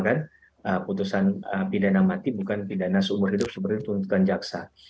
keputusan pidana mati bukan pidana seumur hidup seperti tuntukan jaksa